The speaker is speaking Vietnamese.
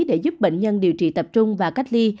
để giúp bệnh nhân điều trị tập trung và cách ly